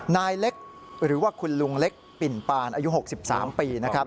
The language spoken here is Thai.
นายเล็กหรือว่าคุณลุงเล็กปิ่นปานอายุ๖๓ปีนะครับ